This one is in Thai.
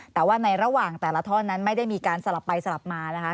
แต่ว่าในระหว่างแต่ละท่อนนั้นไม่ได้มีการสลับไปสลับมานะคะ